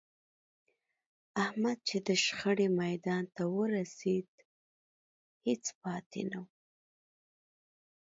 احمد چې د شخړې میدان ته ورسېد، هېڅ پاتې نه و.